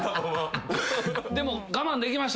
でも我慢できました？